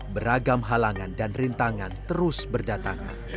beragam halangan dan rintangan terus berdatangan